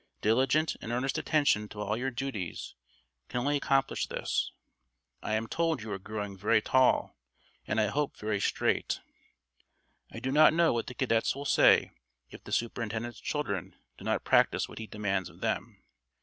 Diligent and earnest attention to all your duties can only accomplish this. I am told you are growing very tall, and I hope very straight. I do not know what the cadets will say if the Superintendent's children do not practice what he demands of them.